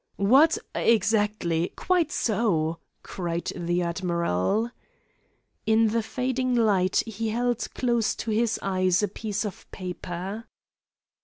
"What? Exactly! Quite so!" cried the admiral. In the fading light he held close to his eyes a piece of paper.